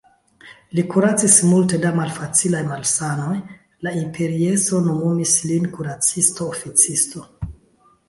Li kuracis multe da malfacilaj malsanoj, la imperiestro nomumis lin kuracisto-oficisto.